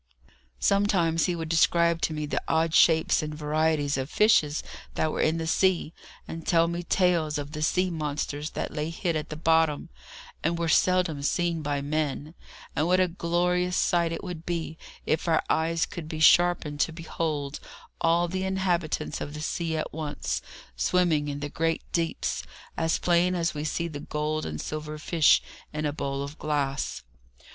"] Sometimes he would describe to me the odd shapes and varieties of fishes that were in the sea, and tell me tales of the sea monsters that lay hid at the bottom, and were seldom seen by men, and what a glorious sight it would be if our eyes could be sharpened to behold all the inhabitants of the sea at once, swimming in the great deeps, as plain as we see the gold and silver fish in a bowl of glass.